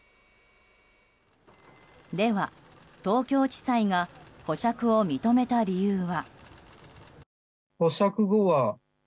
では東京地裁が保釈を認めた理由は？